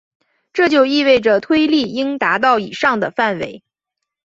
这就意味着推力应达到以上的范围。